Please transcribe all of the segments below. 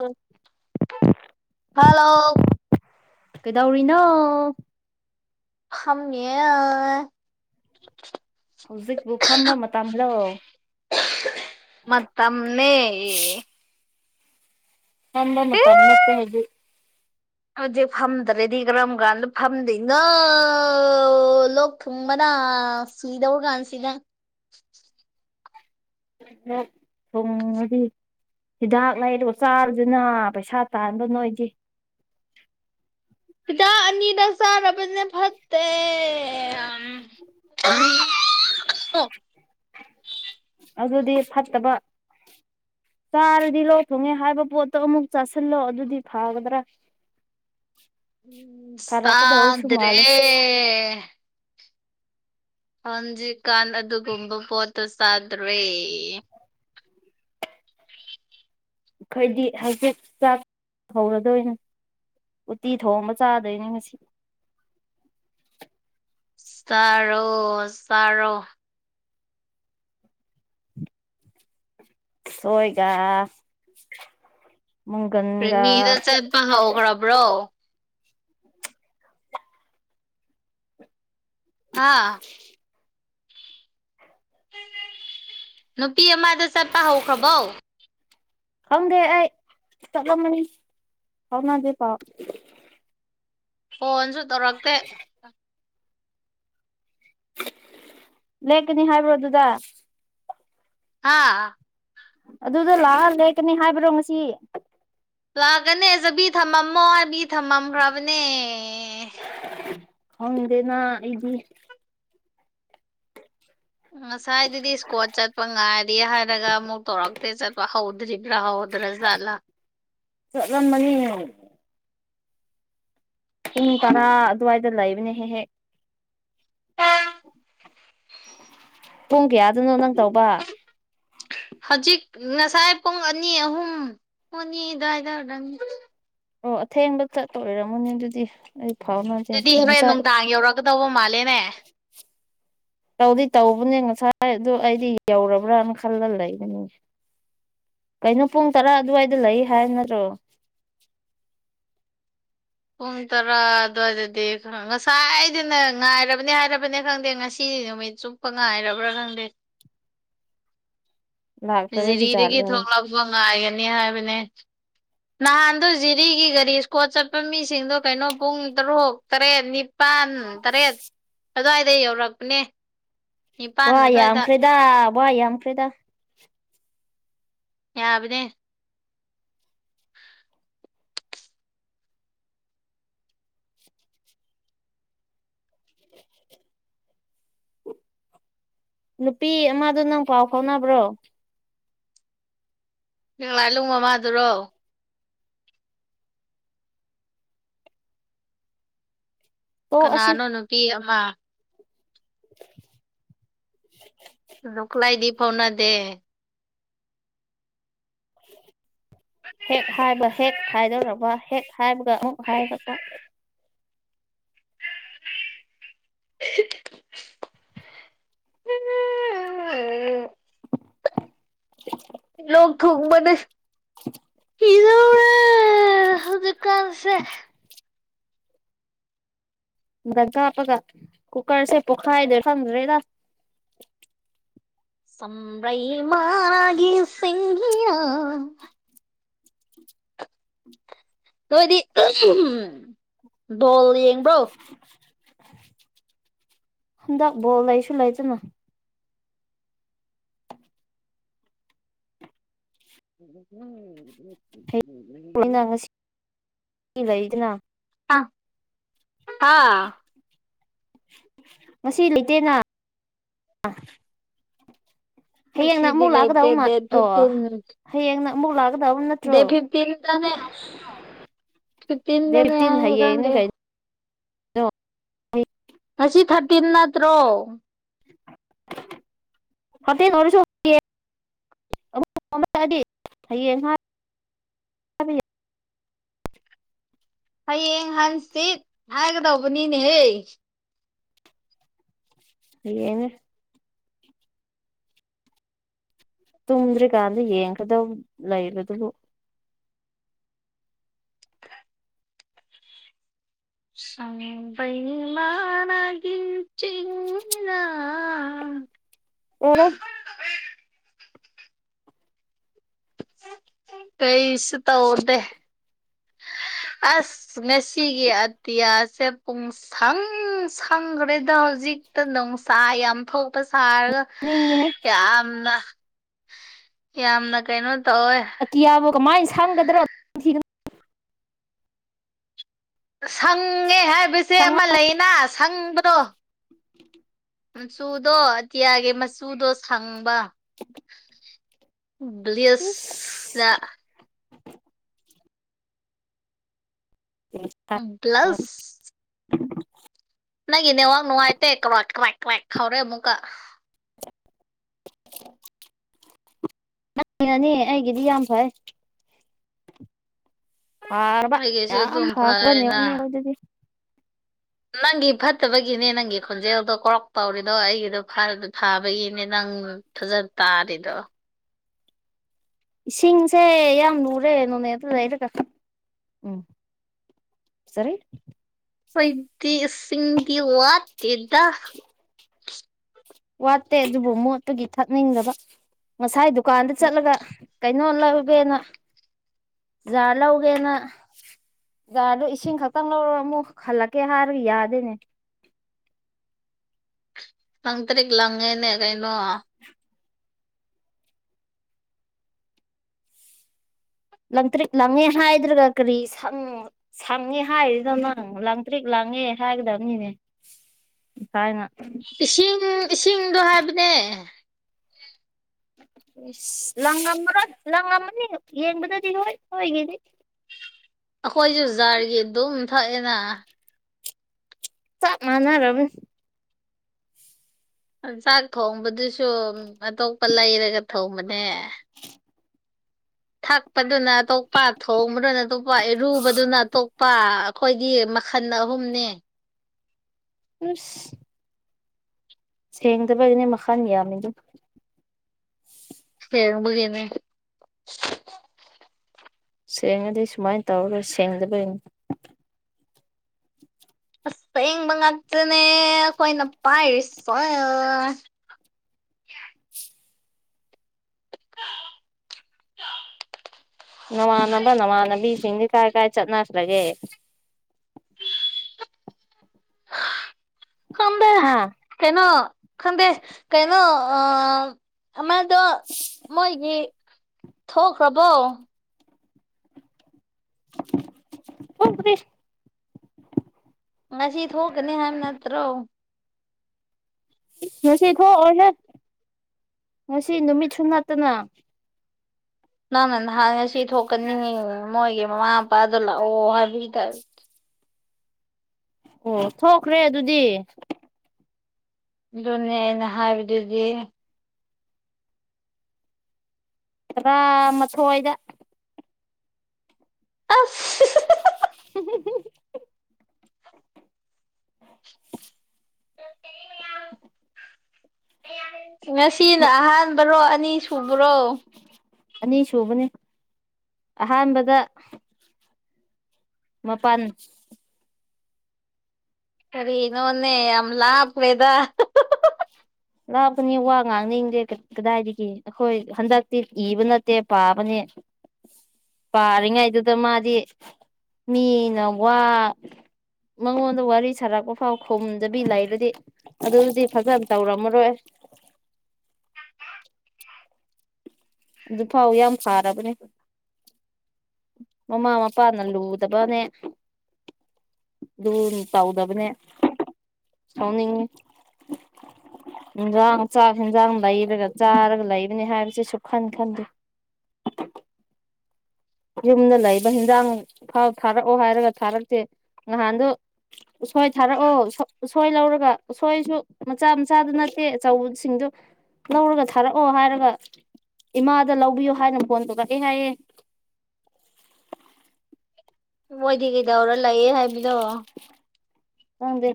ꯑꯥ [inaudible] hello ꯀꯩꯗꯧꯔꯤꯅꯣ ꯐꯝꯃꯤꯌꯦ ꯍꯧꯖꯤꯛꯄꯨ ꯐꯝꯕ ꯃꯇꯝꯂꯣ ꯃꯇꯝꯅꯦ ꯐꯝꯕ ꯃꯇꯝ ꯅꯠꯇꯦ ꯍꯧꯖꯤꯛ ꯍꯧꯖꯤꯛ ꯐꯝꯗ꯭ꯔꯗꯤ ꯀꯔꯝ ꯀꯥꯟꯗ ꯐꯝꯗꯣꯏꯅꯣ ꯂ ꯇꯨꯡꯕꯅ ꯁꯤꯗꯧꯒꯥꯟꯁꯤꯗ ꯂꯣꯛ ꯊꯨꯡꯑꯗꯤ ꯍꯤꯗꯥꯛ ꯂꯩꯔꯒ ꯆꯥꯔꯣꯗꯅ ꯄꯩꯁꯥ ꯇꯥꯟꯕ ꯅꯣꯏꯗꯤ ꯐꯤꯗꯥꯛ ꯑꯅꯤꯗ ꯆꯥꯔꯕꯅꯤꯅꯦ ꯐꯠꯇꯦ ꯍ [inaudible] ꯑꯗꯨꯗꯤ ꯐꯠꯇꯕ ꯆꯥꯔꯗꯤ ꯂꯣꯛ ꯊꯨꯡꯉꯦ ꯍꯥꯏꯕ ꯄꯣꯠꯇꯣ ꯑꯃꯨꯛ ꯆꯥꯁꯤꯜꯂꯣ ꯑꯗꯨꯗꯤ ꯐꯒꯗ꯭ꯔꯥ ꯐꯔꯛꯀꯗꯧꯁꯨ ꯇꯥꯗ꯭ꯔꯦ ꯃꯥꯜꯂꯦ ꯍꯟꯖꯤꯀꯥꯟ ꯑꯗꯨꯒꯨꯝꯕ ꯄꯣꯠꯇꯣ ꯆꯥꯗ꯭ꯔꯦ ꯑꯩꯈꯣꯏꯗꯤ ꯍꯛꯖꯤꯛ ꯆꯥꯛ ꯍꯧꯔꯗꯣꯏꯅꯦ ꯎꯇꯤ ꯊꯣꯡꯕ ꯆꯥꯗꯣꯏꯅꯤ ꯉꯁꯤ ꯆꯔꯣ ꯆꯔꯣ ꯎꯁꯣꯏꯒ ꯄꯔꯦꯃꯤꯗꯣ ꯆꯠꯄ ꯍꯧꯈ꯭ꯔꯕ꯭ꯔꯣ ꯍꯥꯥ ꯅꯨꯄꯤ ꯑꯃꯗꯣ ꯆꯠꯄ ꯍꯧꯈ꯭ꯔꯕꯣ ꯈꯪꯗꯦ ꯑꯩ ꯆꯠꯂꯝꯃꯅꯤ ꯐꯥꯎꯅꯗꯦ ꯄꯥꯎ ꯐꯣꯟꯁꯨ ꯇꯧꯔꯛꯇꯦ ꯂꯦꯛꯀꯅꯤ ꯍꯥꯏꯕ꯭ꯔꯣ ꯑꯗꯨꯗ ꯍꯥꯥ ꯑꯗꯨꯗ ꯂꯥꯛꯑꯒ ꯂꯦꯛꯀꯅꯤ ꯍꯥꯏꯕ꯭ꯔꯣ ꯉꯁꯤ ꯂꯥꯛꯒꯅꯦ ꯆꯕꯤ ꯊꯝꯃꯝꯃꯣ ꯍꯥꯏꯕꯤ ꯊꯝꯃꯝꯈ꯭ꯔꯕꯅꯦ ꯈꯪꯗꯦꯅꯥ ꯑꯩꯗꯤ ꯉꯁꯥꯏꯗꯨꯗꯤ ꯏꯁꯀꯣꯠ ꯆꯠꯄ ꯉꯥꯏꯔꯦ ꯍꯥꯏꯔꯒ ꯑꯃꯨꯛ ꯇꯧꯔꯛꯇꯦ ꯆꯠꯄ ꯍꯧꯗ꯭ꯔꯤꯕ꯭ꯔꯥ ꯍꯧ ꯗꯔꯖꯠꯂ ꯆꯠꯂꯝꯃꯅꯤ ꯄꯨꯡ ꯇꯔꯥ ꯑꯗꯨꯋꯥꯏꯗ ꯂꯩꯕꯅꯦ ꯍꯦꯛ ꯍꯦꯛ ꯄꯨꯡ ꯀꯌꯥꯗꯅꯣ ꯅꯪ ꯇꯧꯕ ꯍꯧꯖꯤꯛ ꯉꯁꯥꯏ ꯄꯨꯡ ꯑꯅꯤ ꯑꯍꯨꯝ ꯄꯨꯡ ꯑꯅꯤ ꯑꯗꯨꯋꯥꯏꯗ ꯑꯣ ꯑꯊꯦꯡꯕ ꯆꯠꯇ ꯑꯣꯏꯔꯝꯃꯅꯤ ꯑꯗꯨꯗꯤ ꯑꯩ ꯐꯥꯎꯅꯩ ꯑꯗꯨꯗꯤ ꯍꯣꯔꯦꯟ ꯅꯨꯡꯗꯥꯡ ꯌꯧꯔꯛꯀꯗꯧꯕ ꯃꯥꯜꯂꯦꯅꯦ [unintelligible] ꯇꯧꯗꯤ ꯇꯧꯕꯅꯦ ꯉꯁꯥꯏ ꯑꯗꯨ ꯑꯩꯗꯤ ꯌꯧꯔꯕ꯭ꯔꯅ ꯈꯜꯂ ꯂꯩꯕꯅꯦ ꯀꯩꯅꯣ ꯄꯨꯡ ꯇꯔꯥ ꯑꯗꯨꯋꯥꯏꯗ ꯂꯩ ꯍꯥꯏꯕ ꯅꯠꯇ꯭ꯔꯣ ꯄꯨꯡ ꯇꯔꯥ ꯑꯗꯨꯋꯥꯏꯗꯗꯤ ꯉꯁꯥꯏꯗꯨꯅ ꯉꯥꯏꯔꯕꯅꯦ ꯍꯥꯏꯔꯕꯅꯤ ꯈꯪꯗꯦ ꯉꯁꯤ ꯅꯨꯃꯤꯠ ꯁꯨ ꯉꯥꯏꯔꯕ꯭ꯔꯥ ꯈꯪꯗꯦ [inaudible] ꯂꯥꯛꯇꯕꯒꯤ ꯖꯤꯔꯤꯗꯒꯤ ꯖꯥꯠꯂꯥ ꯊꯣꯛꯂꯛꯄ ꯉꯥꯏꯒꯅꯤ ꯍꯥꯏꯕꯅꯦ ꯅꯍꯥꯟꯗꯣ ꯖꯤꯔꯤꯒꯤ ꯒꯥꯔꯤ ꯁꯀꯣꯠ ꯆꯠꯄ ꯃꯤꯁꯤꯡꯗꯣ ꯀꯩꯅꯣ ꯄꯨꯡ ꯇꯔꯨꯛ ꯇꯔꯦꯠ ꯅꯤꯄꯥꯜ ꯇꯔꯦꯠ ꯑꯗꯨꯋꯥꯏꯗ ꯌꯧꯔꯛꯄꯅꯦ ꯅꯤꯄꯥꯜ ꯋꯥ ꯑꯗꯨꯋꯥꯏꯗ ꯌꯥꯝꯈ꯭ꯔꯦꯗꯥ ꯋꯥ ꯌꯥꯝꯈ꯭ꯔꯦꯗꯥ ꯌꯥꯕꯅꯦ [unintelligible] ꯅꯨꯄꯤ ꯑꯃꯗꯣ ꯅꯪ ꯄꯥꯎ ꯐꯥꯎꯅꯕ꯭ꯔꯣ ꯀꯪꯂꯥꯏꯂꯅꯨꯡ ꯃꯃꯥꯗꯨꯔꯣ ꯇꯣꯛꯑꯁꯤ ꯀꯅꯥꯅꯣ ꯅꯨꯄꯤ ꯑꯃ [unintelligible] ꯑꯗꯨ ꯈꯨꯂꯥꯏꯗꯤ ꯐꯥꯎꯅꯗꯦ ꯍꯦꯛ ꯍꯥꯏꯕ ꯍꯦꯛ ꯍꯥꯏꯗꯧꯔꯕ ꯍꯦꯛ ꯍꯥꯏꯕꯒ ꯑꯃꯨꯛ ꯍꯥꯏꯔꯛꯄ ꯎ [inaudible] ꯑ [inaudible] ꯂꯣꯛ ꯊꯨꯡꯕꯅꯦ ꯁꯤꯗꯧꯔꯦ ꯍꯧꯖꯤꯛ ꯀꯥꯟꯁꯦ ꯗꯒ ꯀꯥꯞꯄꯒ ꯀꯨꯀꯔꯁꯦ ꯄꯨꯈꯥꯏꯗ ꯈꯪꯗ꯭ꯔꯦꯗ ꯁꯝꯕ꯭ꯔꯩ ꯃꯥꯅꯒꯤ ꯆꯤꯡꯍꯤꯅꯥ ꯅꯣꯏꯗꯤ ꯑꯍꯝ ꯕꯣꯜ ꯌꯦꯡꯕ꯭ꯔꯣ ꯍꯟꯗꯛ ꯕꯣꯜ ꯂꯩꯁꯨ ꯂꯩꯥꯇꯅ ꯎꯝ ꯅ ꯉꯁꯤ ꯂꯩꯗꯅ [inaudible] ꯑꯥ ꯑꯥ ꯉꯁꯤ ꯂꯩꯇꯦꯅ ꯍꯌꯦꯡꯅ ꯑꯃꯨꯛ ꯂꯥꯛꯀꯗꯕ ꯑꯣ ꯍꯌꯦꯡꯅ ꯑꯃꯨꯛ ꯂꯥꯛꯀꯗꯕ ꯅꯠꯇ꯭ꯔꯣ ꯊꯥꯔꯇꯤꯟꯗꯅꯦ ꯗꯦꯠ ꯊꯥꯔꯇꯤꯟꯗꯅꯦ ꯐꯤꯞꯇꯤꯟ ꯍꯥꯢꯌꯦ ꯍꯌꯦꯡꯅꯤ ꯈꯪꯗꯦ ꯀꯩꯅꯣ ꯉꯁꯤ ꯊꯥꯔꯇꯤꯟ ꯅꯠꯇ꯭ꯔꯣ ꯊꯥꯔꯇꯤꯟ ꯑꯣꯢꯔꯁꯨ ꯍꯌꯦꯡ ꯑꯗꯤ ꯊꯌꯦ [inaudible] ꯍꯌꯦꯡ ꯍꯪꯆꯤꯠ ꯍꯥꯏꯒꯗꯧꯕꯅꯤꯅꯦꯍꯦ ꯍꯌꯦꯡꯅꯦ ꯇꯨꯝꯗ꯭ꯔꯤꯀꯥꯟꯗ ꯌꯦꯡꯒꯗꯕ ꯂꯩꯕꯗꯨꯕꯨ ꯁꯝꯕ꯭ꯔꯩ ꯃꯥꯅꯒꯤ [unintelligible] ꯑꯦꯔꯦ [unintelligible] ꯀꯩꯁꯨ ꯇꯧꯗꯦ ꯑꯁ ꯉꯁꯤꯒꯤ ꯑꯇꯤꯌꯥꯁꯦ ꯄꯨꯡ ꯁꯪ ꯁꯪꯈ꯭ꯔꯦꯗ ꯍꯧꯖꯤꯛꯇ ꯅꯨꯡꯁꯥ ꯌꯥꯝ ꯊꯣꯛꯄ ꯁꯥꯔꯒ ꯅꯤꯡꯉꯦꯍꯦ ꯌꯥꯝꯅ ꯌꯥꯝꯅ ꯀꯩꯅꯣ ꯇꯧꯋꯦ ꯑꯇꯤꯌꯥꯕꯣ ꯀꯃꯥꯏꯅ ꯁꯪꯒꯗ꯭ꯔꯣ ꯁꯪꯉꯦ ꯍꯥꯏꯕꯁꯦ ꯁꯪꯉ ꯑꯃ ꯂꯩꯅ ꯁꯪꯕꯗꯣ ꯃꯆꯨꯗꯣ ꯑꯇꯤꯌꯥꯒꯤ ꯃꯆꯨꯗꯣ ꯁꯪꯕ [unintelligible] ꯏꯁ [unintelligible] [unintelligible] ꯄꯂꯨꯁ ꯅꯪ ꯏꯅꯦ ꯋꯥꯒ ꯅꯅꯨꯡꯉꯥꯏꯇꯦ ꯀꯋꯦꯛ ꯀꯋꯦꯛ ꯍꯧꯏ ꯑꯃꯨꯛꯀꯥ ꯅꯪꯅꯥꯅꯤ ꯑꯩꯒꯤꯗꯤ ꯌꯥꯝ ꯐꯩ ꯐꯔꯕ ꯑꯩꯒꯤꯁꯨ ꯌꯥꯝ ꯑꯗꯨꯝ ꯐꯕ ꯅꯦꯠ ꯋꯥꯛ ꯐꯔꯦꯅ ꯑꯗꯨꯗꯤ ꯅꯪꯒꯤ ꯐꯠꯇꯕꯒꯤꯅꯦ ꯅꯪꯒꯤ ꯈꯣꯟꯖꯦꯜꯗꯣ ꯀꯧꯔꯛ ꯇꯧꯔꯤꯗꯣ ꯑꯩꯒꯤꯗꯣ ꯐꯥꯕꯒꯤꯅꯦ ꯅꯪ ꯐꯖꯅ ꯇꯥꯔꯤꯗꯣ ꯏꯁꯤꯡꯁꯦ ꯌꯥꯝ ꯂꯨꯔꯦ ꯅꯣꯅꯦꯗ ꯗ ꯀ ꯎꯝ [inaudible] ꯆꯔꯦ ꯑꯩꯈꯣꯢꯗꯤ ꯏꯁꯤꯡꯗꯤ ꯋꯥꯠꯇꯦꯗ ꯋꯥꯠꯇꯦ ꯑꯗꯨꯕꯨ ꯃꯣꯠꯄꯒꯤ ꯊꯛꯅꯤꯡꯗꯕ ꯉꯁꯥꯏ ꯗꯨꯀꯥꯟꯗ ꯆꯠꯂꯒ ꯅꯣ ꯂꯧꯔꯦꯅ ꯖꯥ ꯂꯧꯔꯦꯅ ꯖꯥꯔꯗꯣ ꯏꯁꯤꯡ ꯈꯛꯇꯪ ꯂꯧꯔ ꯑꯃꯨꯛ ꯍꯜꯂꯛꯀꯦ ꯍꯥꯏꯔꯒ ꯌꯥꯗꯦꯅꯦ ꯇꯪ ꯇ꯭ꯔꯤꯛ ꯂꯪꯉꯦꯅꯦ ꯀꯩꯅꯣ ꯂꯪꯇ꯭ꯔꯤ ꯂꯪꯉꯦ ꯍꯥꯏꯗ꯭ꯔꯒ ꯀꯔꯤ ꯁꯪ ꯁꯪꯉꯦ ꯍꯥꯏꯔꯤꯗꯣ ꯅꯪ ꯂꯥꯡꯇ꯭ꯔꯤꯛ ꯂꯪꯉꯦ ꯍꯥꯏꯒꯗꯕꯅꯤꯅꯦ ꯊꯥꯏꯅ ꯏꯁꯤꯡ ꯏꯁꯤꯡꯗꯣ ꯍꯥꯏꯕꯅꯦ ꯏꯁ ꯂꯪꯉꯝꯃꯔꯣꯏ ꯂꯪꯉꯝꯃꯅꯤ ꯌꯦꯡꯕꯗꯗꯤ ꯍꯣꯏ ꯍꯣꯏꯒꯤꯗꯤ ꯑꯩꯈꯣꯏꯁꯨ ꯖꯥꯔꯒꯤ ꯑꯗꯨꯝ ꯊꯛꯑꯦꯅ ꯆꯞ ꯃꯥꯅꯔꯝ ꯅꯤ ꯆꯥꯛ ꯊꯣꯡꯕꯗꯨꯁꯨ ꯑꯇꯣꯞꯄ ꯂꯩꯔꯒ ꯊꯣꯡꯕꯅꯦ ꯊꯛꯄꯗꯨꯅ ꯑꯇꯣꯞꯄ ꯊꯣꯡꯕꯗꯨꯅ ꯑꯇꯣꯞꯄ ꯏꯔꯨꯕꯗꯨꯅ ꯑꯇꯣꯞꯄ ꯑꯩꯈꯣꯏꯒꯤ ꯃꯈꯟ ꯑꯍꯨꯝꯅꯦ ꯑꯁ ꯁꯦꯡꯗꯕꯒꯤꯅꯦ ꯃꯈꯟ ꯌꯥꯝꯃꯤꯗꯨ ꯁꯦꯡꯕꯒꯤꯅꯦ ꯁꯦꯡꯉꯗꯤ ꯁꯨꯃꯥꯏꯅ ꯇꯧꯔꯔꯣꯏ ꯁꯦꯡꯗꯕꯒꯤꯅꯤ ꯑꯁꯦꯡꯕ ꯉꯥꯛꯇꯅꯦ ꯑꯩꯈꯣꯏꯅ ꯄꯥꯏꯔꯤꯁ ꯅꯃꯥꯟꯅꯕ ꯅꯃꯥꯟꯅꯕꯤꯁꯤꯡꯗꯤ ꯀꯥꯏ ꯀꯥꯏ ꯆꯠꯅꯈ꯭ꯔꯒꯦ ꯈꯪꯗꯦ ꯍꯥꯥ ꯀꯩꯅꯣ ꯈꯪꯗꯦ ꯀꯩꯅꯣ ꯑ ꯑꯃꯗꯣ ꯃꯣꯏꯒꯤ ꯊꯣꯛꯈ꯭ꯔꯕꯣ [unintelligible] ꯉꯁꯤ ꯊꯣꯛꯀꯅꯤ ꯍꯥꯏꯕ ꯅꯠꯇ꯭ꯔꯣ ꯉꯁꯤ ꯊꯣꯛ ꯑꯣꯏ ꯍꯦ ꯉꯁꯤ ꯅꯨꯃꯤꯠꯁꯨ ꯅꯠꯇꯅ ꯅꯪꯅ ꯅꯍꯥꯟ ꯉꯁꯤ ꯊꯣꯛꯀꯅꯤ ꯃꯣꯏꯒꯤ ꯃꯃꯥ ꯃꯄꯥꯗꯣ ꯂꯥꯛꯑꯣ ꯍꯥꯏꯕꯤ ꯇꯔꯦ ꯑꯣ ꯊꯣꯛꯈ꯭ꯔꯦ ꯑꯗꯨꯗꯤ ꯑꯗꯨꯅꯦ ꯑꯩꯅ ꯍꯥꯏꯕꯗꯨꯗꯤ ꯈꯔꯥ ꯃꯊꯣꯏꯗ ꯑꯁ [unintelligible] [unintelligible] ꯉꯁꯤꯅ ꯑꯍꯥꯟꯕꯔꯣ ꯑꯅꯤ ꯁꯨꯕ꯭ꯔꯣ ꯑꯅꯤꯁꯨꯨꯕꯅꯤ ꯑꯍꯥꯟꯕꯗ ꯃꯄꯥꯟ ꯀꯔꯤꯅꯣꯅꯦ ꯌꯥꯝ ꯂꯞꯄꯦꯗ ꯂꯥꯛꯞꯄꯅꯤ ꯋꯥ ꯉꯥꯡꯅꯤꯡꯗꯦ ꯀꯗꯥꯏꯗꯒꯤ ꯑꯩꯈꯣꯏ ꯍꯟꯗꯛꯇꯤ ꯏꯕ ꯅꯠꯇꯦ ꯄꯥꯕꯅꯦ ꯄꯥꯔꯤꯉꯩꯗꯨꯗ ꯃꯥꯗꯤ ꯃꯤꯅ ꯋꯥ ꯃꯉꯣꯟꯗ ꯋꯥꯔꯤ ꯁꯥꯔꯛꯄ ꯐꯥꯎ ꯈꯨꯝꯗꯕꯤ ꯂꯩꯔꯗꯤ ꯑꯗꯨꯗꯤ ꯐꯖꯅ ꯇꯧꯔꯝꯃꯣꯏ ꯑꯣꯏ ꯑꯗꯨ ꯐꯥꯎ ꯌꯥꯝ ꯐꯥꯔꯕꯅꯦ ꯃꯃꯥ ꯃꯄꯥꯅ ꯂꯨꯗꯕꯅꯦ ꯑꯗꯨ ꯇꯧꯗꯕꯅꯦ ꯁꯥꯎꯅꯤꯡꯉꯤ ꯏꯟꯖꯥꯡ ꯆꯥꯛ ꯌꯦꯟꯖꯥꯡ ꯂꯩꯔꯒ ꯆꯥꯔꯒ ꯂꯩꯕꯅꯤ ꯍꯥꯏꯕꯁꯤꯁꯨ ꯈꯟ ꯈꯟꯗꯦ ꯌꯨꯝꯗ ꯂꯩꯕ ꯍꯤꯟꯖꯥꯡ ꯐꯥꯎ ꯊꯥꯔꯛꯑꯣ ꯍꯥꯏꯔꯒ ꯊꯥꯔꯛꯇꯦ ꯅꯍꯥꯟꯗꯣ ꯎꯁꯣꯏ ꯊꯥꯔꯛꯑꯣ ꯁꯣꯏ ꯂꯧꯔꯒ ꯁꯣꯏꯁꯨ ꯃꯆꯥ ꯃꯆꯥꯗꯨ ꯅꯠꯇꯦ ꯑꯆꯧꯕꯁꯤꯡꯗꯨ ꯂꯧꯔꯒ ꯊꯥꯔꯛꯑꯣ ꯍꯥꯏꯔꯒ ꯏꯃꯥꯗ ꯂꯧꯕꯤꯌꯨ ꯍꯥꯏꯅ ꯐꯣꯟ ꯇꯧꯔꯛꯑꯦ ꯍꯥꯏꯌꯦ ꯃꯣꯏꯗꯤ ꯀꯩꯗꯧꯔ ꯂꯩ ꯌꯦ ꯍꯥꯏꯕꯥꯅꯣ ꯈꯡ ꯗꯦ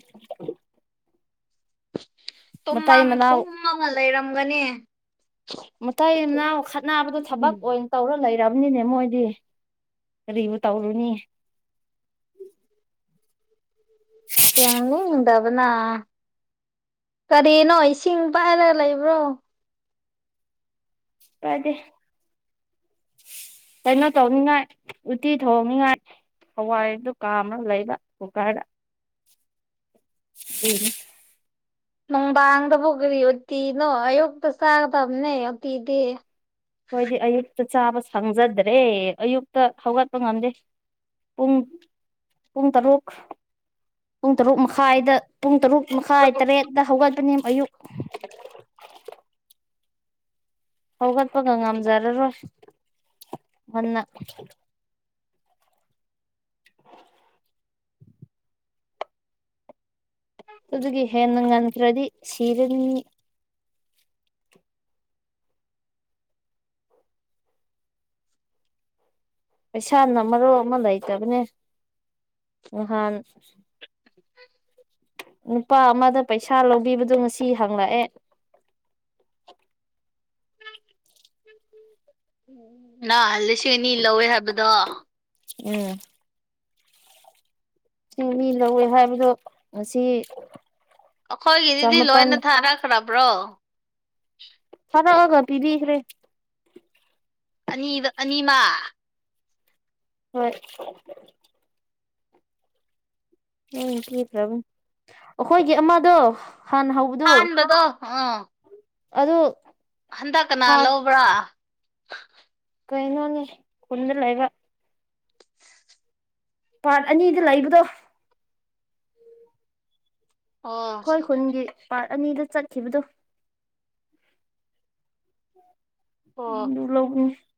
ꯇꯨꯃꯥ ꯃꯇꯩ ꯃꯅꯥꯎ ꯇꯨꯝꯃꯒ ꯂꯩꯔꯝꯒꯅꯤ ꯃꯇꯥꯏꯅꯥ ꯈꯠꯕꯗꯣ ꯊꯕꯛ ꯑꯣꯏꯅ ꯇꯧꯔ ꯂꯩꯔꯕꯅꯤꯅꯦ ꯃꯣꯏꯗꯤ ꯀꯔꯤꯕꯨ ꯇꯧꯔꯨꯅꯤ ꯌꯦꯡꯅꯤꯡꯗꯕꯅ ꯀꯔꯤꯅꯣ ꯏꯁꯤꯡ ꯄꯥꯏꯔ ꯂꯩꯕ꯭ꯔꯣ ꯑꯗꯦ ꯀꯩꯅꯣ ꯇꯧꯅꯤꯉꯥꯏ ꯎꯇꯤ ꯊꯣꯡꯅꯤꯉꯥꯏ ꯍꯋꯥꯏꯗꯨ ꯀꯥ ꯑꯃꯅ ꯂꯩꯕ ꯀꯨꯀꯥꯔꯗ ꯎꯝ ꯅꯨꯡꯗꯥꯡꯗꯕꯨ ꯀꯔꯤ ꯎꯇꯤꯅꯣ ꯑꯌꯨꯛꯇ ꯆꯥꯒꯗꯕꯅꯦ ꯎꯇꯤꯗꯤ ꯍꯣꯏꯗꯤ ꯑꯌꯨꯛꯇ ꯆꯥꯕ ꯁꯪꯖꯗ꯭ꯔꯦ ꯑꯌꯨꯛꯇ ꯍꯧꯒꯠꯄ ꯉꯝꯗꯦ ꯄꯨꯡ ꯄꯨꯡ ꯇꯔꯨꯛ ꯄꯨꯡ ꯇꯔꯨꯛ ꯃꯈꯥꯏꯗ ꯄꯨꯡ ꯇꯔꯨꯛ ꯃꯈꯥꯏ ꯇꯔꯦꯠꯇ ꯍꯧꯒꯠꯄꯅꯤ ꯑꯌꯨꯛ ꯍꯧꯒꯠꯄꯒ ꯉꯝꯖꯔꯔꯣꯏ ꯉꯟꯅ ꯑꯗꯨꯒꯤ ꯍꯦꯟꯅ ꯉꯟꯈ꯭ꯔꯗꯤ ꯁꯤꯔꯅꯤ ꯄꯩꯁꯥꯅ ꯃꯔꯨꯞ ꯑꯃ ꯂꯩꯇꯕꯅꯦ ꯅꯍꯥꯟ [unintelligible] ꯅꯨꯄꯥ ꯑꯃꯗ ꯄꯩꯁꯥ ꯂꯧꯕꯤꯕꯗꯣ ꯉꯁꯤ ꯍꯥꯡꯪꯂꯛꯑꯦ [inaudible] ꯅ ꯂꯤꯁꯤꯡ ꯑꯅꯤ ꯂꯧꯋꯦ ꯍꯥꯏꯕꯗꯣ ꯎꯝ ꯆꯤꯡ ꯃꯤ ꯂꯧꯋꯦ ꯍꯥꯏꯕꯗꯣ ꯉꯁꯤ ꯑꯩꯈꯣꯏꯒꯤꯗꯨꯗꯤ ꯂꯣꯏꯅ ꯆꯃꯥꯄꯜ ꯊꯥꯔꯛꯈ꯭ꯔꯕ꯭ꯔꯣ ꯐꯉ ꯑꯣꯒ ꯄꯤꯗꯤꯈ꯭ꯔꯦ ꯑꯅꯤꯗ ꯑꯅꯤꯃ ꯍꯣꯏ ꯎ ꯀ꯭ꯔꯕ ꯑꯩꯈꯣꯏꯒꯤ ꯑꯃꯗꯣ ꯍꯥꯟꯅ ꯍꯧ ꯇꯥꯟꯕꯥꯟꯕꯗꯣ ꯑ ꯑꯗꯨꯗ ꯍꯟꯗꯛ ꯀꯅꯥ ꯂꯧꯕ꯭ꯔꯥ ꯀꯩꯅꯣꯅꯦ ꯈꯨꯟꯗ ꯂꯩꯕ ꯄꯥꯔꯠ ꯑꯅꯤꯗ ꯂꯩꯕꯗꯣ ꯑꯣ ꯑꯩꯈꯣꯏ ꯈꯨꯟꯒꯤ ꯄꯥꯔꯠ ꯑꯅꯤꯗ ꯆꯠꯈꯤꯕꯗꯣ [unintelligible] ꯑꯣꯛ [unintelligible]